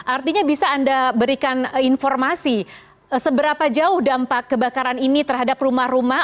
artinya bisa anda berikan informasi seberapa jauh dampak kebakaran ini terhadap rumah rumah